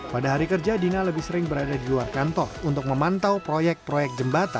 pada hari kerja dina lebih sering berada di luar kantor untuk memantau proyek proyek jembatan